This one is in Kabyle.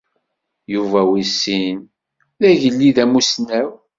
Yuba wis sin d agellid amussnaw.